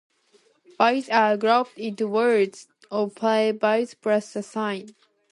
Bytes are grouped into words of five bytes plus a sign.